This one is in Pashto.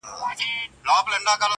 ويل موږ خداى پيدا كړي موږكان يو٫